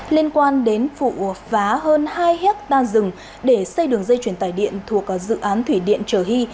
liên quan đến vụ phá hơn hai hectare rừng để xây đường dây truyền tải điện thuộc dự án thủy điện trở hy